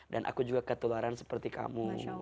dan aku juga ketularan seperti kamu